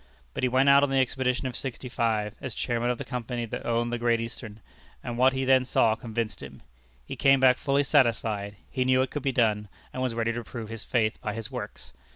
But he went out on the expedition of '65, as chairman of the company that owned the Great Eastern; and what he then saw convinced him. He came back fully satisfied; he knew it could be done, and was ready to prove his faith by his works.